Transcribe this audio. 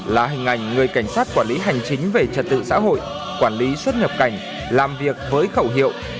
là hình ảnh người cảnh sát quản lý hành chính về trật tự xã hội quản lý xuất nhập cảnh làm việc với khẩu hiệu